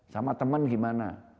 sama teman gimana